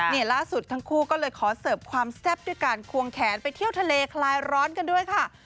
นี่ล่าสุดทั้งคู่ก็เลยขอเสิร์ฟความแซ่บด้วยการควงแขนไปเที่ยวทะเลคลายร้อนกันด้วยค่ะ